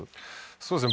そうですね